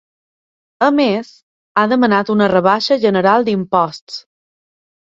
A més, ha demanat una rebaixa general d’imposts.